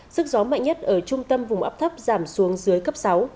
sức gió mạnh nhất ở trung tâm vùng áp thấp giảm xuống dưới cấp sáu